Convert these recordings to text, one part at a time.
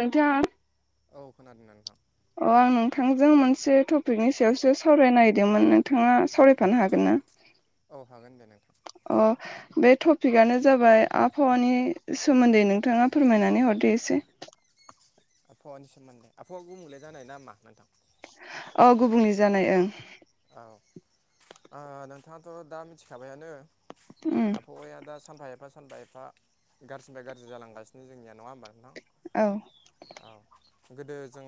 नोंथां औ खोनादोंना नोंथां? अ आं नोंथांजों मोनसे टपिकनि सायावसो सावरायनो नागिरदोंमोन नोंथाङा सावरायफानो हागोन ना? औ हागोन दे नोंथां अ बे टपिकआनो जाबाय आबहावानि सोमोन्दै नोंथाङा फोरमायनानै हरदो एसे आबहावानि सोमोन्दै आबहावा गुबुंलाय जानाय ना मा नोंथां? औ गुबुंले जानाय ओं औ नोंथाङाथ' दा मिथिखाबायानो उम आबहावाया दा सानफा एफा सानफा एफा गाज्रिनिफ्राय गाज्रि जालांगासिनो जोंनिया नङा होमबा नोंथां? औ औ गोदो जों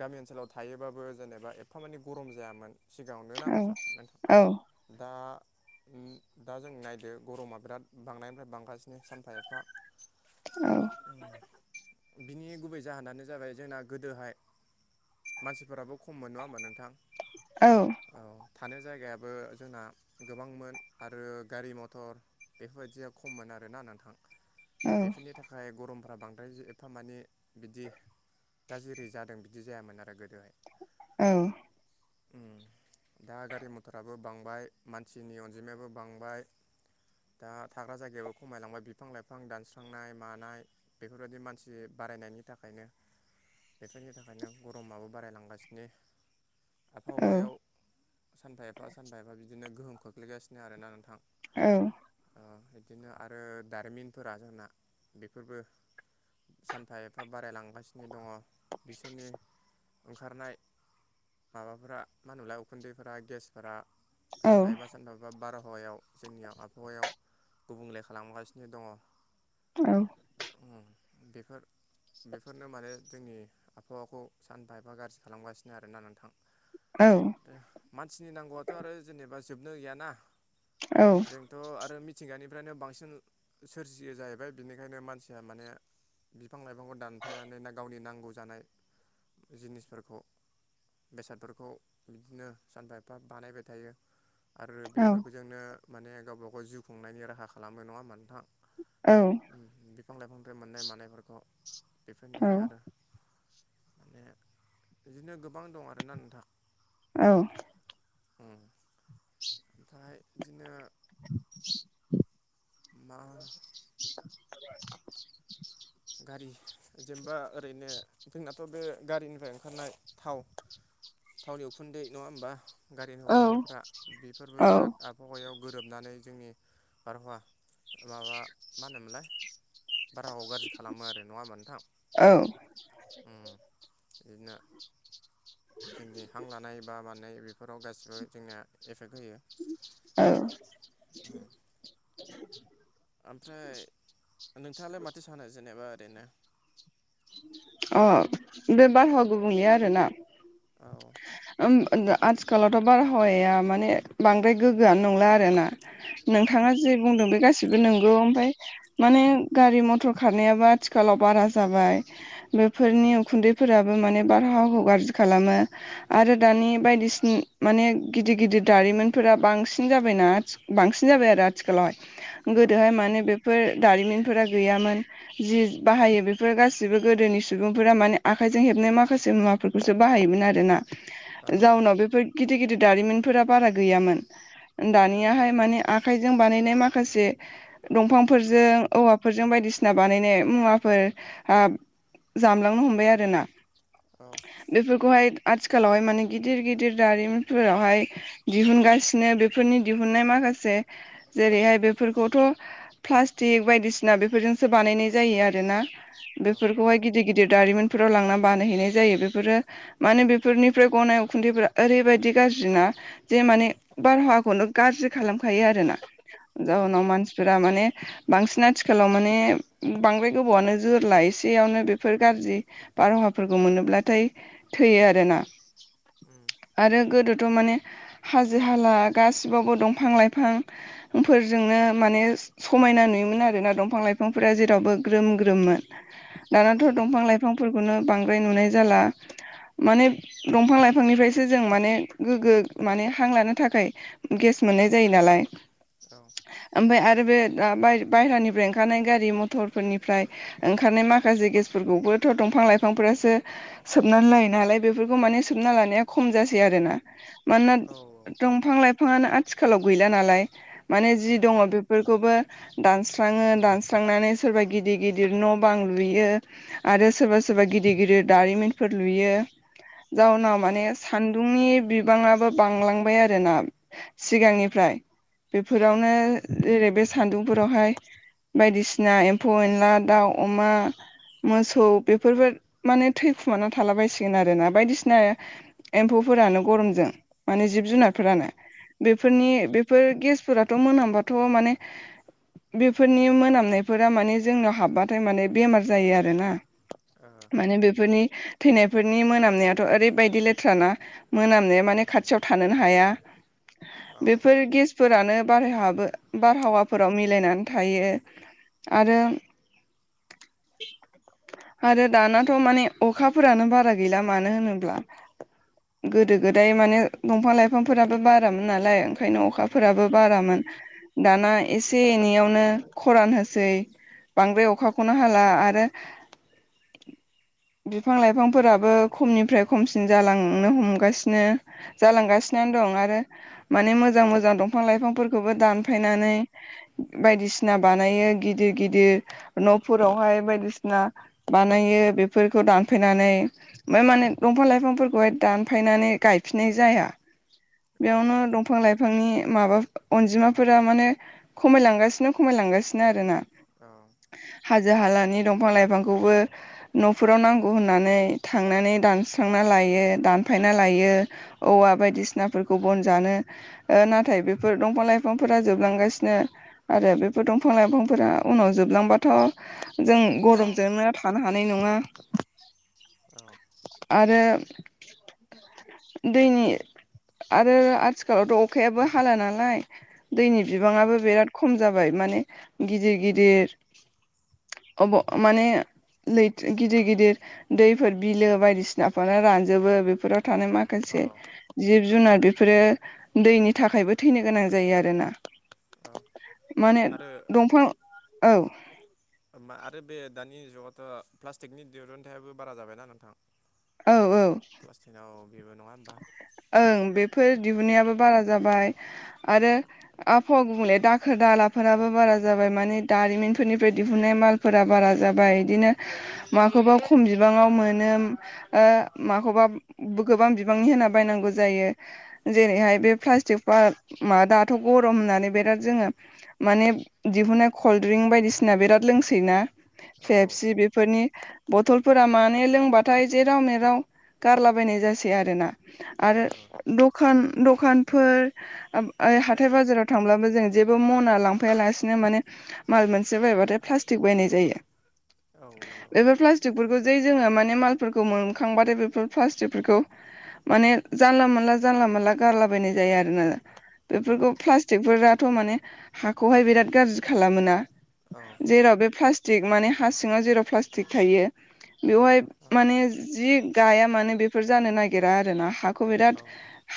गामि ओनसोलाव थायोबाबो जेनेबा एफा मानिे गरम जायामोन सिगाङावनो ना सार नोंथां औ दा दा जों नायदो गरमा बिराद बांनायनिफ्राय बांगासिनो सानफा एफा औ उम बिनि गुबै जाहोनानो जाबाय जोंना गोदोहाय मानसिफोराबो खम मोन नङा होमा नोंथां! औ औ थानाय जायगायाबो जोंना गोबांमोन, आरो गारि मथर बेफोरबायदिया खममोन आरोना नोंथां औ बेफोरनि था खाय गरमफ्रा बांद्राय एफा माने बिदि दा जेरै जादों बिदि जायामोन आरो गोदोहाय। औ उम दा गारि मथराबो बांबाय मानसिनि अनजिमायाबो बांबाय। दा थाग्रा जायगाबो खमायलांबाय बिफां लाइफां दानस्रांनाय मानाय बेफोरबायदि मानसि बारायनायनि थाखायनो बेफोरनि थाखायनो गरमाबो बारायलांगासिनो। औ आबहावायाव सानफा एफा सानफा एफा बिदिनो गोहोम खोख्लैगासिनो आरोना नोंथां। औ ओ इदिनो आरो दारिमिनफोरा जोंना बेफोरबो सानफा एफा बारायलांगासिनो दङ बिसोरनि ओंखारनाय माबाफोरा मा होनोनलाय उखुन्दैफोरा गेसफोरा सानफा एबा सा नफा एफा बारहावायाव जोंनियाव आबहावायाव गुबुंले खालामगासिनो दङ औ ओम बेफोर बेफोरनो माने जोंनि आबहावाखौ सानफा एफा गाज्रि खालामगासिनो आरोना नोंथां औ ओ मानसिनि नांगौआथ' आरो जेनेबा जोबनो गैयाना जों थ' आरो मिथिंगानिफ्रायनो बांसिन सोरजियो जाहैबाय बिनिखायनो मानसिया माने बिफां लाइफांखौ दानफायनानैनो गावनि नांगौ जानाय जिनिसफोरखौ बेसादफोरखौ बिदिनो सानफा एफा बानायबाय थायो आरो बेफोर जोंनो माने गावबा गाव जिउ खुंनायनि राहा खालामो नङा होनबा नोंथां औ ओम बिफां लाइफांनिफ्राय मोननाय मानायफोरखौ बेफोरनि थाखाय आरो माने बिदिनो गोबां दं आरोना नोंथां औ ओ ओमफ्राय बिदिनो मा [unintelligible] गारि जेनेबा ओरैनो जोंनाथ' बे गारिनिफ्राय ओंखारनाय थाव थावनि उखुन्दै नङा होमबा गारिनि उखुन्दैफ्रा बेफोरबो बिराद आब हावायाव गोरोबनानै जोंनि बारहावा माबा मा होनोमोनलाय बारहाखौ गारजि खालामो आरो नङा होमबा नोंथां औ ओ इदिनो जोंनि हां लानाय बा मानाय बेफोराव गासिबो जोंनिया एफेक्ट होयो [unintelligible] आमफ्राय नोंथाङालाय माथो सानो जेनेबा ओरैनो अ बे बारहावा गुबुंले आरोना औ ओम आ-आथिखालावथ' बारहावाया माने बांद्राय गोग्गोआनो नंला आरोना औ नोंथाङा जे बुंदों बे गासिबो नोंगौ ओमफाय माने गारि मथर खारनायाबो आथिखालाव बारा जाबाय बेफोरनि उखुन्दैफोराबो माने बारहावखौ गाज्रि खालामो आरो दानि बायदिसिन माने गिदिर गिदिर दारिमिनफोरा बांसिन जाबायना आथि बांसिन जाबाय आरो आथिखालावहाय औ गोदोहाय माने बे फोर दारिमिनफोरा गैयामोन जि बाहायो बेफोर गासि बो गोदोनि सुबुंफोरा माने आखाइजों हेबनाय माखासे मुवाफोरखौसो बाहायोमोन आरोना औ जाउनाव बेफोर गिदिर गिदिर दारिमिनफोरा बारा गैयामोन दानियाहाय माने आखाइजों बानायनाय माखासे दंफांफोरजों औवाफोरजों बायदिसिना बानायनाय मुवाफोर हाब जामलांनो हमबाय आरोना औ बेफोरखौहाय आथिखालावहाय माने गिदिर गिदिर दारिमिनफोरावहाय दिहुनगासिनो बेफोरनि दिहुननाय माखासे जेरैहाय बेफोरखौथ' प्लास्टिक बायदिसिना बेफोरजों सो बानायनाय जायो आरोना औ बेफोरखौहाय गिदिर गिदिर दारिमिनफोराव लांनानै बानायहैनाय जायो बेफोरो माने बेफोरनिफ्राय गनाय उखुन्दैफ्रा ओरैबायदि गाज्रि ना जे माने बारहावाखौनो गाज्रि खालामखायो आरोना औ जाउनाव मानसिफोरा माने बांसिन आथिखालाव माने बांद्राय गोबावआनो जोरला एसेयावनो बेफोर गाज्रि बारहावाफोरखौ मोनोब्लाथाय थैयो आरो ना उम आरो गोदोथ' माने हाजो हाला गासिबावबो दंफां- लाइफां -फोरजोंनो माने समायना नुयोमोन आरोना दंफां- लाइफांफोरा जेरावबो ग्रोम ग्रोममोन। औ दानाथ' नंगौ दंफां लाइफांफोरखौनो बांद्राय नुनाय जाला माने दंफां -लाइफांनिफ्रायसो जों माने गोग्गो माने हां लानो थाखाय गेस मोननाय जायो नालाय औ ओमफ्राय आरो बे बा- बायहेरानिफ्राय ओंखारनाय गारि मथरफोरनिफ्राय ओंखारनाय माखासे गेसफोरखौबोथ' दंफां- लाइफांफोरासो सोबनानै लायो नालाय बेफोरखौ माने सोबना लानाया खम जासै आरोना मानोना औ दंफां- लाइफाङानो आथिखालाव गैला नालाय माने जि उम दङ बेफोरखौबो दानस्राङो दानस सुस्रांनानै सोरबा गिदिर - गिदिर न' न' बां लुयो आरो सोरबा सोरबा गिदिर गिदिर दारिमिनफोर लुयो। जाउनाव माने सान्दुंनि बिबाङाबो बांलांबाय आरोना सिगांनिफ्राय बेफोरावनो जेरै बे सान्दुंफोरावहाय बायदिसिना एम्फौ - एनला दाउ, अमा मोसौ बेफोरबो माने थैखुमाना थालाबायसिगोन आरोना बायदिसिना एम्फौफोरानो गरमजों माने जिब - औ जुनारफोरानो ओ औ बेफोरनि बे बेफोर गेसफोराथ' मोनामबाथ' माने बेफोरनि मोनामनायफोरा माने जोंनाव हाबबाथाय माने बेमार जायो आरोना। [unintelligible] माने बेफोरनि थैनायफोरनि मोनामनायाथ' ओरैबायदि लेथ्राना? मोनामनाया माने खाथियाव थानोनो हाया। बेफोर गेस फोरानो बारहाबो बारहावाफोराव मिलायनानै थायो आरो आरो दानाथ' माने अखाफोरानो बारा गैला मानो होनोब्ला गोदो गोदाय माने दंफां लाइफांफोराबो बारामोन नालाय ओंखायनो अखा औ फोराबो बारामोन। दाना एसे एनैयावनो खरान होसै बांद्राय अखा -खौनो हाला आरो [unintelligible] बिफां -लाइफांफोराबो खमनिफ्राय खमसिन जालांनो हमगासिनो। औ औ जालांगासिनो दं आरो माने मोजां मोजां दंफां- लाइफांफोरखौबो दानफायनानै बायदिसिना बानायो गिदिर-गिदिर न'फोरावहाय बायदिसिना बानायो बेफोरखौ दानफायनानै। ओमफ्राय माने दंफां- लाइफांफोरखौहाय दानफायनानै गायफिननाय जाया। जों औ बेयावनो दंफां -लाइफांनि माबा अनजिमाफोरा माने खमायलांगासिनो खमायलांगासिनो आरो ना। औ। हाजो- हालानि दंफां-लाइफांखौबो न'फोराव नांगौ होननानै थांनानै दानस्रांना लायो दानफायना लायो। औवा बायदिसिनाफोरखौ बन जानो ओ नाथाय बेफोर दंफां-लाइफांफोरा जोबलांगासिनो आरो बेफोर दंफां -लाइफांफोरा उनाव जोबलांबाथ' जों गरमजोंनो थानो हानाय नङा आरो दैनि आरो आथिखालावथ' अखायाबो हाला नालाय दैनि बिबाङाबो बिराद खम जाबाय माने गिदिर गिदिर [unintelligible] अब माने लैथ गिदिर गिदिर दैफोर बिलो बायदिसिनाफ्रानो रानजोबो बेफोराव थानाय माख खासे जिब जुनार बेफोरो दैनि थाखायबो थैनो गोनां जायो आरोना। माने आरो दंफां औ। होमबा आरो बे दानि जुगावथ' प्लास्टिकनि दिरुन्थाय आबो बारा जाबायना नोंथां? औ औ। क्लास टेनाव बेबो नङा होमबा? ओं बेफोर दिहुननायाबो बारा जाबाय आरो आबहावा गुबुंले दाखोर दालाफोराबो बारा जाबाय माने दारिमिनफोरनिफ्राय दिहुननाय माल फोरा बारा जाबाय इदिनो माखौबा खम बिबाङाव मोनो ओ माखौबा गोबां बिबांनि होना बायनांगौ जायो। जेरैहाय बे प्लास्टिकफ्रा मा दाथ' गरम होननानै बिराद जोङो माने दिहुनाय कल्डड्रिंक बायदिसिना बिराद लोंसोयो ना? औ पेफसि बे फोरनि बथलफोरा माने लोंबाथाय जेराव मेराव गारलाबायनाय जासै आरोना। आरो औ दखान दखानफोर आम आ हाथाय बाजाराव थांब्लाबो जों जेबो मना लांफायालासिनो माने माल मोनसे बायबाथाय प्लास्टिक बायनाय जायो। औ नंगौ बेफोर नोंथां। प्लास्टिकफोरखौ जै जोङो माने मालफोरखौ मोनखांबाथाय बेफोर प्लास्टिकफोरखौ माने जानला मोनला जानला मोनला गारलाबायनाय जायो आरो ना औ बेफोरखौ प्लास टिक फोराथ' माने हाखौहाय बिराद गाज्रि खालामोना औ जेराव बे प्लास्टिक टिक माने हा सिङाव जेराव प्लास्टिक थायो बेवहाय माने जि गाया मानो बेफोर जानो नागिरा आरोना हाखौ औ बिराद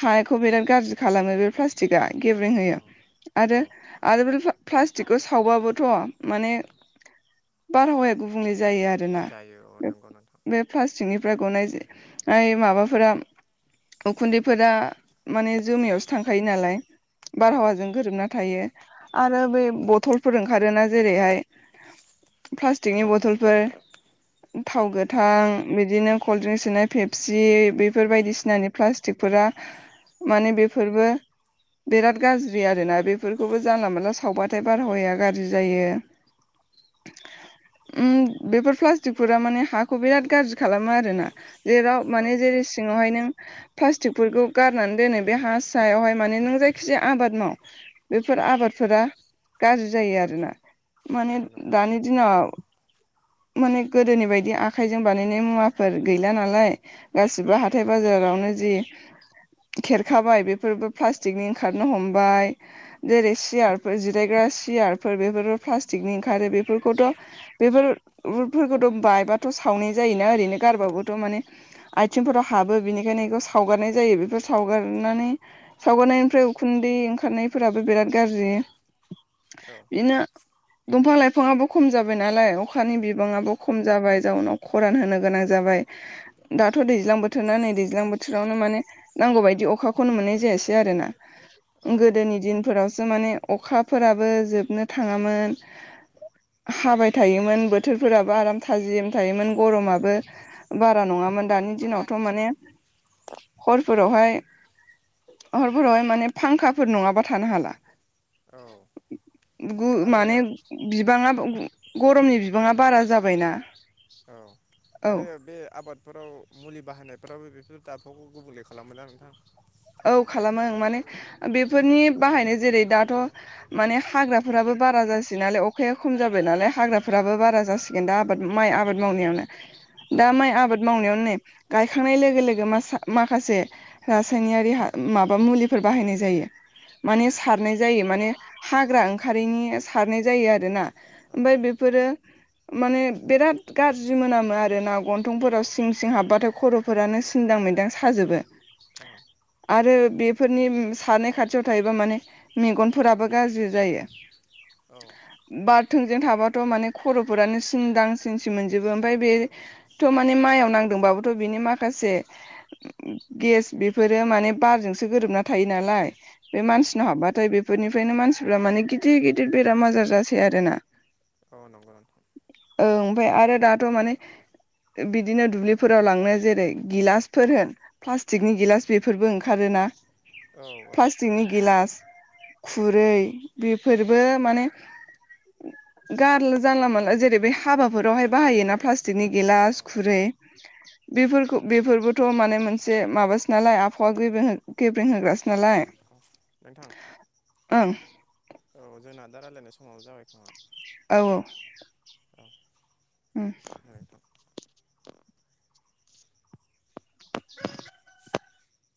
हाखौ बिराद गाज्रि खालामो बे प्लास्टिकआ गेब्रेें औ होयो। आरो औ आरो बे प्लास्टिकखौ सावबाबोथ' माने बारहावाया गुबुंले जायो आरोना जायो औ नंगौ नोंथां बे प्लास्टिकनिफ्राय गनाय ओइ माबाफोरा उखुन्दैफोरा माने जोमैयावसो थांखायो नालाय औ बारहावाजों गोरोबना थायो। आरो बे बथलफोर ओंखारोना जेरैहाय प्लास्टिकनि बथलफोर थाव औ गोथां बिदिनो कल्ड्रिंक्स सोनाय फेपसि बेफोरबायदि सिनानि प्लास्टिकफोरा माने बेफोरबो बिराद गाज्रि आरोना बेफोरखौबो जानला मोनला सावबाथाय बारहावाया गाज्रि जायो। [inaudible] उम बेफोर प्लास्टिकफोरा माने हाखौ बिराद गाज्रि खालामो आरोना। जेराव औ माने जेरै सिङावहाय नों प्लास्टिकफोरखौ गारनानै दोनो बे हा सायावहाय माने नों जायखिजाया आबाद माव बेफोर आबादफोरा गाज्रि जायो आरोना। माने औ नंगौ दानि नोंथां दिनाव माने गोदोनि बायदि आखाइजों बानायनाय मुवाफोर गैला नालाय गासिबो हाथाय बाजार रावनो जि खेरखाबाय बेफोरबो प्लास्टिकनि ओंखारनो हमबाय। जेरै सियारफोर जिरायग्रा सियारफोर बेफोरबो प्लास्टिकनि ओंखारो बेफोरखौथ' बेफोर उलटफोरखौथ' बायबाथ' सावनाय जायोना ओरैनो गारबाबोथ' माने आइथिंफोराव हाबो बिनिखायनो बेखौ सावगारनाय जायो बेफोर सावगारनानै सावगारनायनिफ्राय उखुन्दै ओंखारनायफोराबो बिराद गाज्रि। औ बिदिनो दंफां लाइफाङाबो खम जाबाय नालाय अखानि बिबाङाबो खम जाबाय जाउनाव खरान होनो गोनां जाबाय दाथ' दैज्लां बोथोरा नै दैज्लां बोथोरावनो माने नांगौ बायदि अखाखौनो मोननाय जायासै आरोना। औ गोदोनि दिनफोरावसो माने अखाफोराबो जोबनो थाङामोन। हाबाय थायोमोन बोथोरफोराबो आराम थाजिम थायोमोन गरमाबो बारा नङामोन दानि दिनावथ' माने हरफोरावहाय हरफोरावहाय माने फांखाफोर नङाबा थानो हाला औ गु आरो माने बिबाङा गरमनि बिबाङा बारा जाबायना औ औ आरो बे आबादफोराव मुलि बाहायनायफ्रावबो बेफोर दाबफावखौ गुबुंले खालामो ना नोंथां औ खालामो ओं माने बेफोरनि बाहायनो जेरै दाथ' माने हाग्राफोराबो बारा जासै नालाय अखाया खम जाबाय नालाय हाग्राफोराबो बारा जासिग गेनदा आबाद माइ आबाद मावनायावनो औ दा माइ आबाद मावनायावनो नै गायखांनाय लोगो लोगो मास माखासे रासायनियारि माबा मुलिफोर बाहायनाय जायो औ माने सारनाय जायो माने हाग्रा ओंखारैनि सारनाय जायो आरोना औ ओमफ्राय बेफोरो माने बिराद गाज्रि मोनामो आरो ना गन्थंफोराव सिं सिं हाबबाथाय खर' फोरानो सिन्दां मैदां साजोबो आरो बेफोरनि सारनाय खाथियाव थायोबा माने मेगनफोराबो गाज्रि जायो औ बारथोंजों थाबाथ' माने खर'फोरानो सिन दां सिन सि मोनजोबो ओमफ्राय बे थ' माने माइआव नांदोंबाबोथ' बिनि माखासे गेस बेफोरो माने बारजोंसो गोरोबना थायो नालाय बे औ मानसिनो हाबबाथाय बेफोरनिफ्रायनो मानसिफ्रा माने गिदिर गिदिर बेराम आजार जासै आरोना [unintelligible] संग रान ओं ओमफ्राय आरो दाथ' माने बिदिनो दुब्लिफोराव लांनो जेरै गिलासफोर होन थिगनि गिलास बेफोरबो ओंखारोना औ औ प्लास्टिकनि गिलास खुरै बेफोरबो माने गारला जानला मानला जेरै बे हाबाफोरावहाय बाहायोना प्लास्टिकनि गिलास औ खुरै बेफोरखौ बेफोरबोथ' माने मोनसे एसे माबासो नालाय आबहावा गेब्रेें होग्रासो नालाय औ नोंथां ओं औ जोंना दा रायज्लायनाय समावबो जाबाय खोमा औ औ औ उम नोंथां